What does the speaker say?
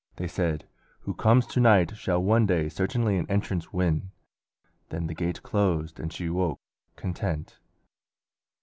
They said, "Who comes to night Shall one day certainly an entrance win;" Then the gate closed and she awoke content.